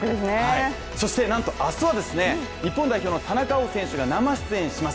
そして、なんと明日は日本代表の田中碧選手が生出演します。